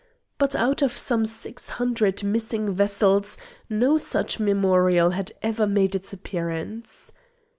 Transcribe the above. But out of some six hundred missing vessels no such memorial had ever made its appearance.